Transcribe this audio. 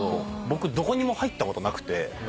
僕どこにも入ったことなくて。